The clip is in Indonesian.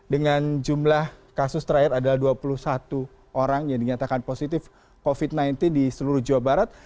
dengan jumlah kasus terakhir adalah dua puluh satu orang yang dinyatakan positif covid sembilan belas di seluruh jawa barat